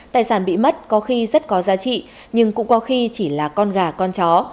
tài sản bị mất có khi rất có giá trị nhưng cũng có khi chỉ là con gà con chó